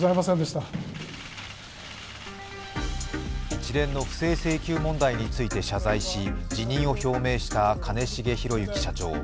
一連の不正請求問題について謝罪し、辞任を表明した兼重宏行社長。